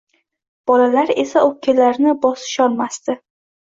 Bolalar esa o`pkalarini bosisholmasdi